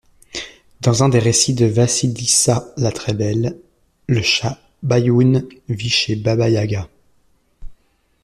Dans un des récits de Vassilissa-la-très-belle, le chat Baioun vit chez Baba Yaga.